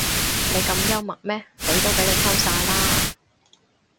你咁幽默咩女都俾你溝晒啦